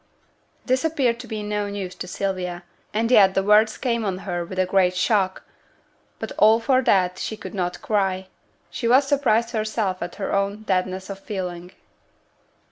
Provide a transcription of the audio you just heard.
This appeared to be no news to Sylvia, and yet the words came on her with a great shock, but for all that she could not cry; she was surprised herself at her own deadness of feeling.